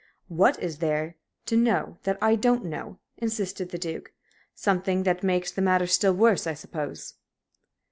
"What is there to know that I don't know?" insisted the Duke. "Something that makes the matter still worse, I suppose?"